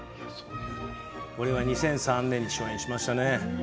これは２００３年初日でしたね。